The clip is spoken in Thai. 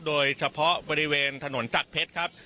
โดยเฉพาะบริเวณถนนจักรเพชรครับ